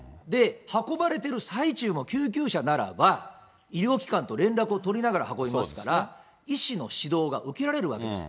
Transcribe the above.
運ばれてる最中も、救急車ならば、医療機関と連絡を取りながら運びますから、医師の指導が受けられるわけです。